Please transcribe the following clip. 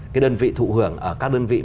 cái đơn vị thụ hưởng ở các đơn vị